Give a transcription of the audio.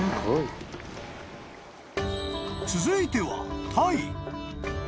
［続いては］